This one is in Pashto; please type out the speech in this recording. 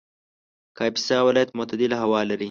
کاپیسا ولایت معتدله هوا لري